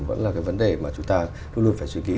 vẫn là cái vấn đề mà chúng ta luôn luôn phải suy nghĩ